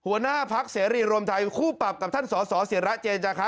หัวหน้าพักเสรีรวมไทยคู่ปรับกับท่านสสิระเจนจาคะ